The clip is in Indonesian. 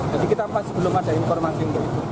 jadi kita masih belum ada informasi